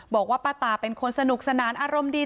บอกว่าป้าตาเป็นคนสนุกสนานอารมณ์ดี